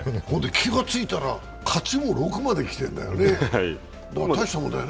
気がついたら勝ちも６まできてるんだよね、たいしたもんだよね。